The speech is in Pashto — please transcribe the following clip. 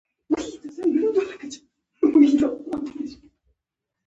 پنېر له معدې سره ښه تعامل لري.